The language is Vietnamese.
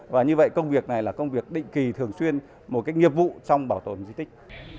và như vậy công việc này là công việc định kỳ thường xuyên một cái nghiệp vụ trong bảo tồn di tích